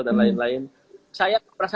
dan lain lain saya